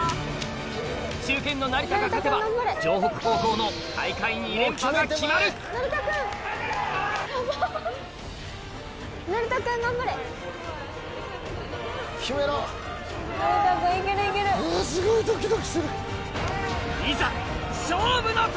中堅の成田が勝てば城北高校の大会２連覇が決まるすごいドキドキする！の時！